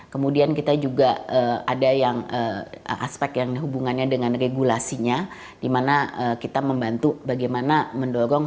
kemudian kita juga ada yang aspek yang hubungannya dengan regulasinya dimana kita membantu bagaimana mendorong